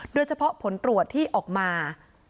โดยเฉพาะผลตรวจที่ออกมา